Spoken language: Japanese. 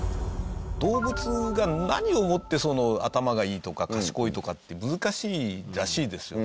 動物が何をもって頭がいいとか賢いとかって難しいらしいんですよ。